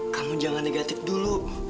kamu jangan negatif dulu